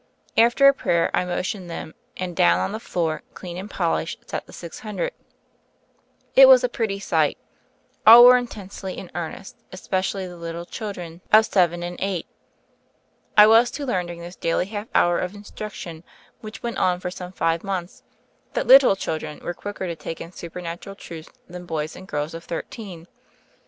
After a prayer, I motioned them, and down on the floor, clean and polished, sat the six hundred. It was a pretty sight. AH were intensely in earnest, especially the little children 92 THE FAIRY OF THE SNOWS of seven and eight. I was to learn during this daily half hour of instruction, which went on for some five months, that little children were quicker to take in supernatural truths than boys and girls of thirteen.